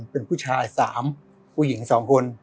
เป็นผู้ชาย๓ผู้หญิง๒คน